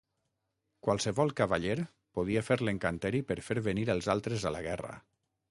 Qualsevol cavaller podia fer l'encanteri per fer venir els altres a la guerra.